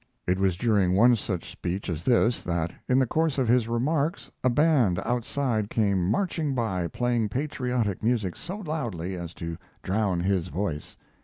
It was during one such speech as this that, in the course of his remarks, a band outside came marching by playing patriotic music so loudly as to drown his voice.